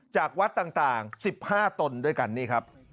จากวัดต่าง๑๕ตนด้วยกันนี่ครับ